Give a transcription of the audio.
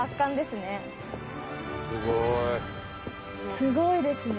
すごいですね。